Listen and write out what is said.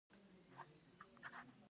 د دهدادي هوايي ډګر نظامي دی